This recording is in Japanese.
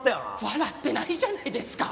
笑ってないじゃないですか！